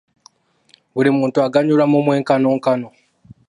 Buli muntu aganyulwa mu mwenkanonkano.